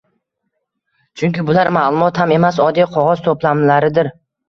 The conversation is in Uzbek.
Chunki bular maʼlumot ham emas, oddiy qogʻoz toʻplamlaridir.